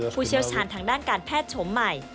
เชี่ยวชาญทางด้านการแพทย์ชมใหม่